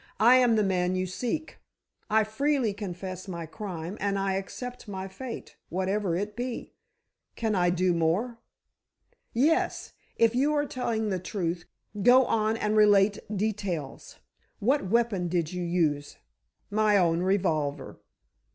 I am the man you seek, I freely confess my crime, and I accept my fate, whatever it be. Can I do more?" "Yes; if you are telling the truth, go on, and relate details. What weapon did you use?" "My own revolver."